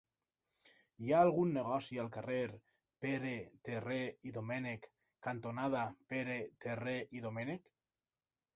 Hi ha algun negoci al carrer Pere Terré i Domènech cantonada Pere Terré i Domènech?